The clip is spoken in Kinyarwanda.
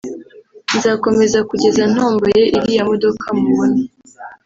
nzakomeza kugeza ntomboye iriya modoka mubona